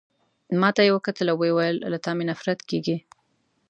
ما ته يې وکتل او ويې ویل: له تا مي نفرت کیږي.